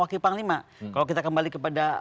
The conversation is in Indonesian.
wakil panglima kalau kita kembali kepada